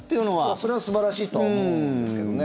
それは素晴らしいとは思うんですけどね。